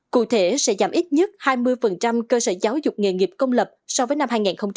cụ thể sẽ giảm ít nhất hai mươi cơ sở giáo dục nghề nghiệp công lập so với năm hai nghìn một mươi tám